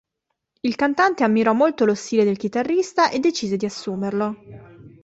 Il cantante ammirò molto lo stile del chitarrista e decise di assumerlo.